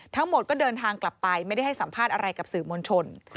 ทั้งหมดก็เดินทางกลับไปไม่ได้ให้สัมภาษณ์อะไรกับสื่อมวลชน